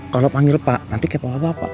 kalau panggil pak nanti kayak bapak bapak